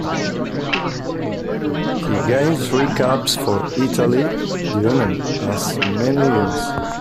He gained three caps for Italy, during as many years.